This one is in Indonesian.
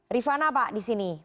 rifana pak di sini